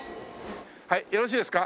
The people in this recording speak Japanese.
はいよろしいですか？